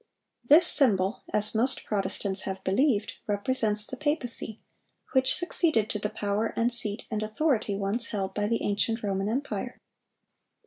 This symbol, as most Protestants have believed, represents the papacy, which succeeded to the power and seat and authority once held by the ancient Roman empire.